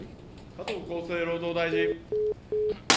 加藤厚生労働大臣。